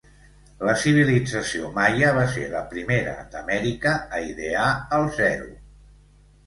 La civilització maia va ser la primera d'Amèrica a idear el zero.